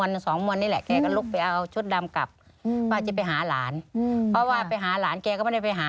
นั่งเล่ากันอยู่นานไหม